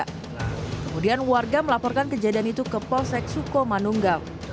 kemudian warga melaporkan kejadian itu ke polsek sukomanunggang